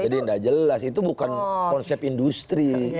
jadi tidak jelas itu bukan konsep industri